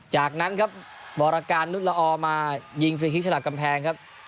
จากนั้นครับบรการนุษย์ละออมายิงฟรีคลิกฉลับกำแพงครับ